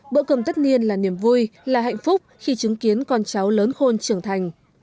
bữa cơm tất niên là niềm vui là hạnh phúc khi chứng kiến con cháu lớn khôn trưởng thành